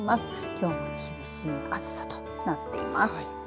きょうも厳しい暑さとなっています。